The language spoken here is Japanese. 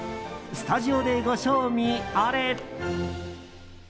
スタジオでご賞味あれ。